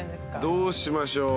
どうしましょう。